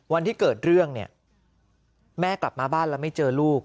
วันที่เกิดเรื่องเนี่ยแม่กลับมาบ้านแล้วไม่เจอลูก